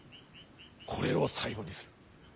これを最後にする。